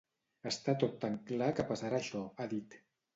"Està tot tan clar que passarà això", ha dit.